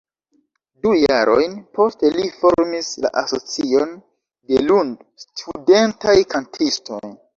Du jarojn poste li formis la Asocion de Lund-Studentaj Kantistoj.